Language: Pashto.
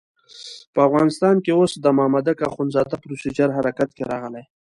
په افغانستان کې اوس د مامدک اخندزاده پروسیجر حرکت کې راغلی.